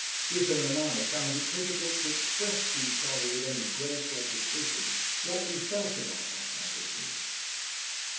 Britten and I found it difficult to express to each other with any grace or precision what we felt about that magazine.